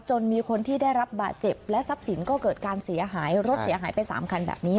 มีคนที่ได้รับบาดเจ็บและทรัพย์สินก็เกิดการเสียหายรถเสียหายไป๓คันแบบนี้